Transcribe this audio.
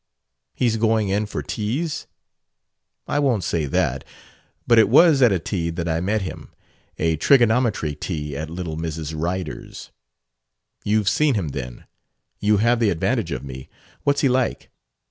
"He's going in for teas?" "I won't say that. But it was at a tea that I met him. A trigonometry tea at little Mrs. Ryder's." "You've seen him then. You have the advantage of me. What's he like?"